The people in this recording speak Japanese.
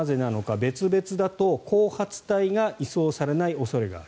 別々だと後発隊が移送されない恐れがある。